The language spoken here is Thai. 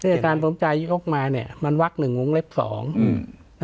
อาจารย์สมชัยยกมาเนี้ยมันวักหนึ่งวงเล็บสองอืม